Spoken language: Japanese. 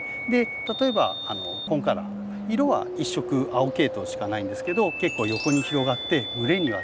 例えばコンカラー色は１色青系統しかないんですけど結構横に広がって蒸れには強い。